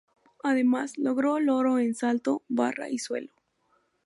Además, logró el oro en salto, barra y suelo.